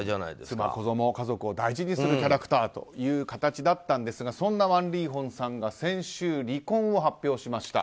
妻、子供、家族を大事にするキャラクターだったんですがそんなワン・リーホンさんが先週、離婚を発表しました。